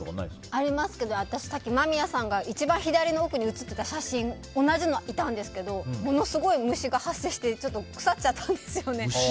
ありますけど私、間宮さんの一番左の奥に映っていた写真同じのがいたんですけどものすごい虫が発生してちょっと腐っちゃったんですよ。